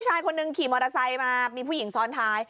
ชายคนหนึ่งขี่มอเตอร์ไซค์มามีผู้หญิงซ้อนท้าย